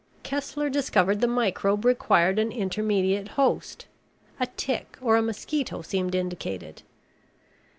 Kessler discovered the microbe required an intermediate host. A tick or a mosquito seemed indicated.